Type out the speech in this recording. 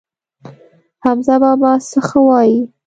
حمزه بابا څه ښه وايي.